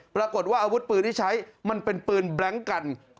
ปรากฏว่าอาวุธปืนที่ใช้มันเป็นปืนแบล็งกัน